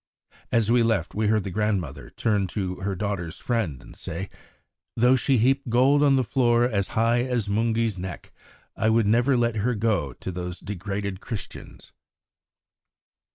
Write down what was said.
As we left we heard the grandmother turn to her daughter's friend and say: "Though she heap gold on the floor as high as Mungie's neck, I would never let her go to those degraded Christians!"